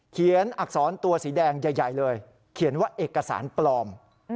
อักษรตัวสีแดงใหญ่เลยเขียนว่าเอกสารปลอม